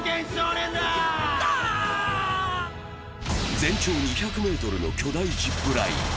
全長２００ｍの巨大ジップライン。